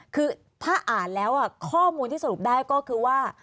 คือถ้าอ่านแล้วข้อมูลที่สรุปได้ก็คือว่า